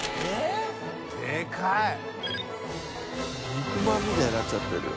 肉まんみたいになっちゃってるよ。